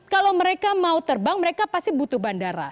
kalau mereka mau terbang mereka pasti butuh bandara